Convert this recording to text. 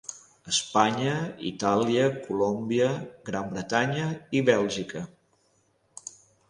Espanya, Itàlia, Colòmbia, Gran Bretanya i Bèlgica.